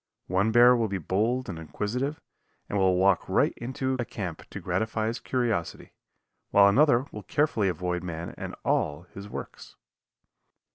One bear will be bold and inquisitive, and will walk right into a camp to gratify his curiosity, while another will carefully avoid man and all his works.